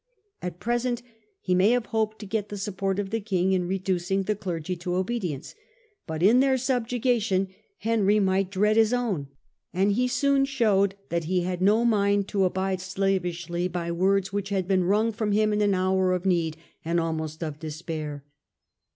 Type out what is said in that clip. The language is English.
At present he may have hoped to get the support of the king in re ducing the clergy to obedience ; but in their subjuga^ tion Henry might dread his own, and he soon showed that he had no mind to abide slavishly by words which had been wrung from him in an hour of need and almost of despair.